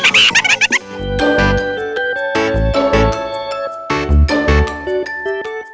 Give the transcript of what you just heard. สวัสดีครับ